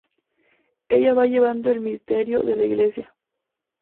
Ella va llevando el misterio de la Iglesia.